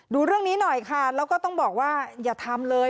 ดูเรื่องนี้หน่อยค่ะแล้วก็ต้องบอกว่าอย่าทำเลย